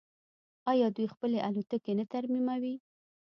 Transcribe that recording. آیا دوی خپلې الوتکې نه ترمیموي؟